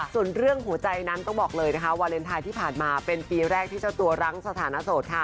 ส่วนเรื่องหัวใจนั้นต้องบอกเลยนะคะวาเลนไทยที่ผ่านมาเป็นปีแรกที่เจ้าตัวรั้งสถานะโสดค่ะ